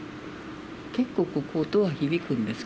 結構、ここ、音は響くんです